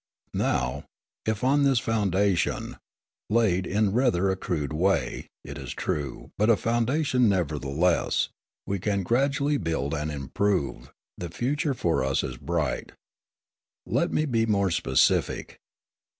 Now, if on this foundation laid in rather a crude way, it is true, but a foundation, nevertheless we can gradually build and improve, the future for us is bright. Let me be more specific.